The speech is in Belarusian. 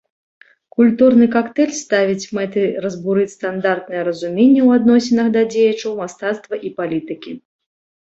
Культурны кактэйль ставіць мэтай разбурыць стандартнае разуменне ў адносінах да дзеячаў мастацтва і палітыкі.